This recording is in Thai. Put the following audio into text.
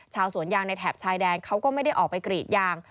ชาวสวนยางในแถบชายแดนเขาก็ไม่ได้ออกไปกรีดยาง